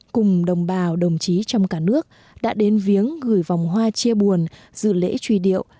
cùng đồng bào đồng chí trong cả nước đã đến viếng gửi vòng hoa chia buồn dự lễ truy điệu